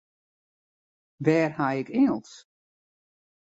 Wêr ha ik Ingelsk?